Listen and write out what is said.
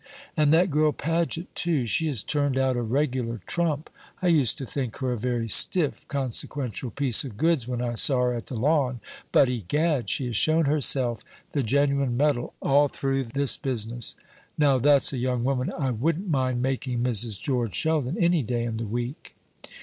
"And that girl Paget, too; she has turned out a regular trump. I used to think her a very stiff, consequential piece of goods when I saw her at the Lawn; but, egad, she has shown herself the genuine metal all through this business. Now that's a young woman I wouldn't mind making Mrs. George Sheldon any day in the week."